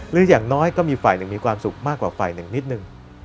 อย่างน้อยก็มีฝ่ายหนึ่งมีความสุขมากกว่าฝ่ายหนึ่งนิดนึง